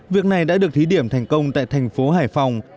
việc này đã được thí điểm thành công tại thành phố hải phòng